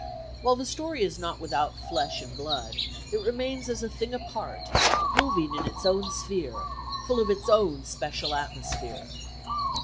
While the story is not without flesh and blood, it remains as a thing apart, moving in its own sphere, full of its own special atmosphere.